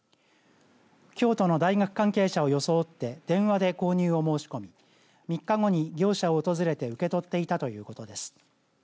京都の大学関係者を装って電話で購入を申し込み３日後に業者を訪れて受け取っていたということです。